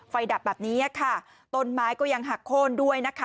ดับแบบนี้ค่ะต้นไม้ก็ยังหักโค้นด้วยนะคะ